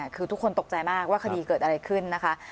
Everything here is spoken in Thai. คือทุกคนตกใจมากว่าคดีเกิดอะไรขึ้นนะคะ